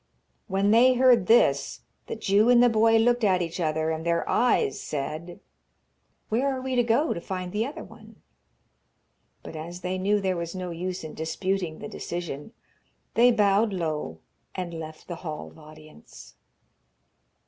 When they heard this, the Jew and the boy looked at each other, and their eyes said: 'Where are we to go to find the other one?' But as they knew there was no use in disputing the decision, they bowed low and left the hall of audience.